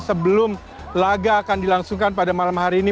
sebelum laga akan dilangsungkan pada malam hari ini